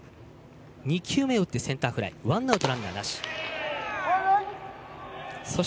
２球目を打ってセンターフライワンアウトランナーなし。